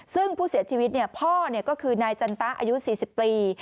ซึ่งผู้เสียชีวิตพ่อก็คือนายจันตะอายุ๔๐ปี